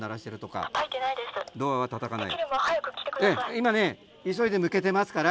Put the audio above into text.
今ね急いで向けてますから。